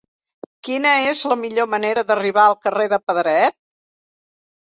Quina és la millor manera d'arribar al carrer de Pedret?